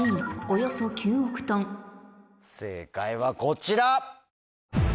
正解はこちら。